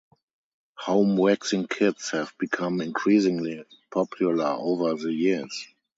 Home waxing kits have become increasingly popular over the years.